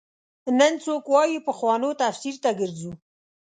نن څوک وايي پخوانو تفسیر ته ګرځو.